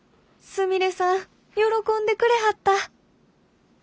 すみれさん喜んでくれはった。